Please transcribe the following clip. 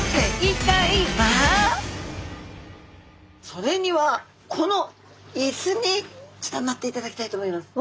それにはこのイスにちょっと乗っていただきたいと思います。